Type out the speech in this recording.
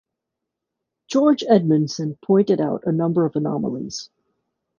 George Edmundson pointed out a number of anomalies.